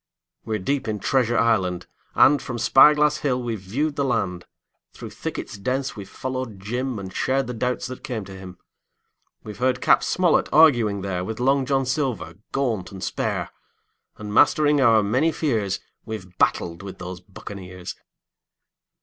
We're deep in Treasure Island, and From Spy Glass Hill we've viewed the land; Through thickets dense we've followed Jim And shared the doubts that came to him. We've heard Cap. Smollett arguing there With Long John Silver, gaunt and spare, And mastering our many fears We've battled with those buccaneers.